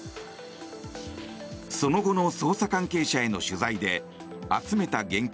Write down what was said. その後の捜査関係者への取材で集めた現金